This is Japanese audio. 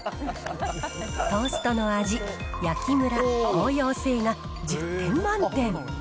トーストの味、焼きむら、応用性が１０点満点。